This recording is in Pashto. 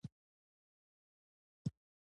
افغانان هممهاله د پاکستان تېری غندي